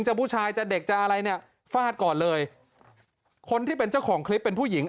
ผู้ชายจะเด็กจะอะไรเนี่ยฟาดก่อนเลยคนที่เป็นเจ้าของคลิปเป็นผู้หญิง